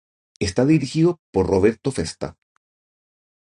Está dirigido por Roberto Festa.